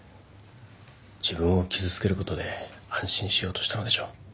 自分を傷つけることで安心しようとしたのでしょう。